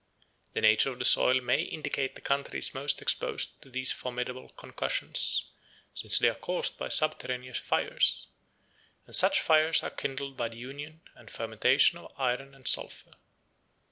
82 The nature of the soil may indicate the countries most exposed to these formidable concussions, since they are caused by subterraneous fires, and such fires are kindled by the union and fermentation of iron and sulphur.